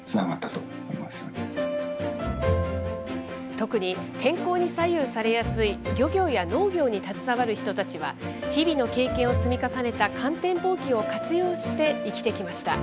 特に天候に左右されやすい漁業や農業に携わる人たちは、日々の経験を積み重ねた観天望気を活用して生きてきました。